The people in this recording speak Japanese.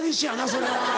それは。